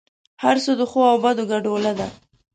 هر څه د ښو او بدو ګډوله ده.